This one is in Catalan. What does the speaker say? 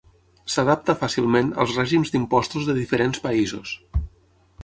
S'adapta fàcilment als règims d'impostos de diferents països.